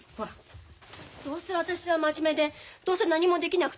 どうせ私は真面目でどうせ何もできなくって勇気ないわよ。